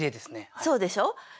そうでしょ？